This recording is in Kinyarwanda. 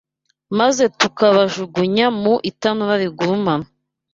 maze tukabajugunya mu itanura rigurumana